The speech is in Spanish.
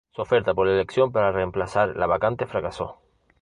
Su oferta por la elección para remplazar la vacante fracasó.